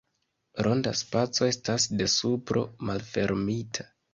Ronda spaco estas de supro malfermita.